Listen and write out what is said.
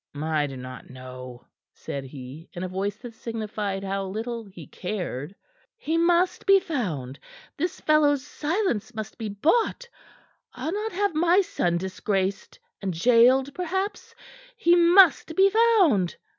"I do not know," said he, in a voice that signified how little he cared. "He must be found. This fellow's silence must be bought. I'll not have my son disgraced, and gaoled, perhaps. He must be found."